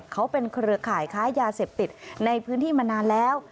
เขาเป็นเครือข่ายค้ายาเสพติดในพื้นที่มานานแล้ว